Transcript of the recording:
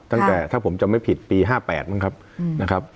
ตั้งแต่ถ้าผมจำไม่ผิดปี๕๘มั้งครับนะครับ